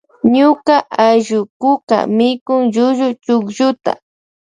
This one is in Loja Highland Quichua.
Ñuka allukuka mikun llullu chuklluta.